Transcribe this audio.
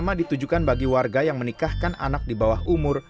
sama ditujukan bagi warga yang menikahkan anak di bawah umur